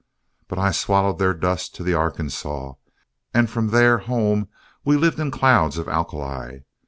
But I swallowed their dust to the Arkansaw, and from there home we lived in clouds of alkali.